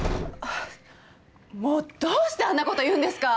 もうどうしてあんなこと言うんですか！